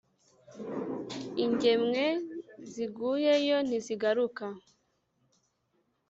Ingemwe ziguyeyo ntizigaruke,